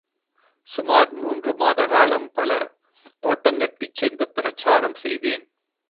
சுமார் மூன்று மாத காலம் பல எஸ்டேட்டுகளுக்குச் சென்று பிரசாரம் செய்தேன்.